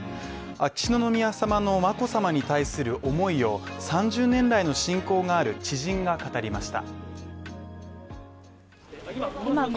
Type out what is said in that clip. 秋篠宮さまの眞子さまに対する思いを３０年来の親交がある知人が語りました。